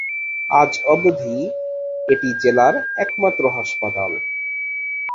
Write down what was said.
আজ অবধি, এটি জেলার একমাত্র হাসপাতাল।